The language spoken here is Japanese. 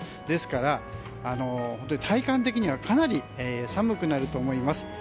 ですから体感的にはかなり寒くなると思います。